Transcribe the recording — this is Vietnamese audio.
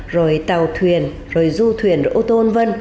rồi tàu thuyền rồi du thuyền rồi ô tô v v